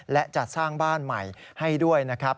และจะสร้างบ้านใหม่ให้ด้วยนะครับ